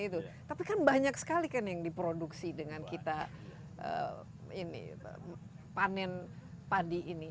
tapi kan banyak sekali kan yang diproduksi dengan kita panen padi ini